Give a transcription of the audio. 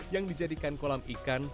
yang dijadikan kolam ikan